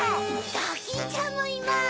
ドキンちゃんもいます！